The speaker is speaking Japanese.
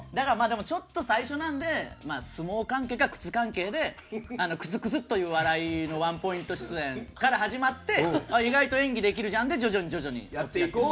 ちょっと最初なので相撲関係か靴関係でクスクスという笑いのワンポイント出演から始まって意外と演技できるじゃんで徐々に、徐々にという。